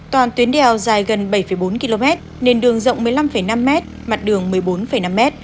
toàn tuyến đèo dài gần bảy bốn km nền đường rộng một mươi năm năm m mặt đường một mươi bốn năm m